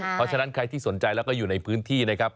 เพราะฉะนั้นใครที่สนใจแล้วก็อยู่ในพื้นที่นะครับ